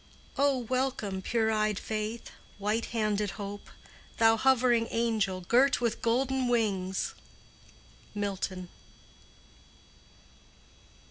"O, welcome, pure eyed Faith, white handed Hope, Thou hovering angel, girt with golden wings!" —MILTON.